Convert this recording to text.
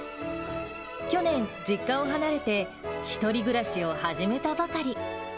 去年、実家を離れて１人暮らしを始めたばかり。